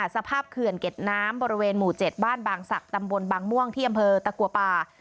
เขื่อนเก็ดน้ำบริเวณหมู่๗บ้านบางศักดิ์ตำบลบางม่วงที่อำเภอตะกัวป่า